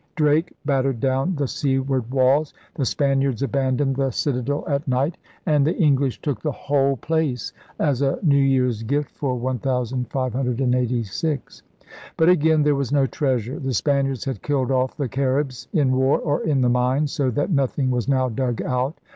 Drake battered down the seaward walls. The Spaniards abandoned the citadel at night, and the English took the whole 158 ELIZABETHAN SEA DOGS place as a New Year's gift for 1586. But again there was no treasure. The Spaniards had killed off the Caribs in war or in the mines, so that nothing was now dug out.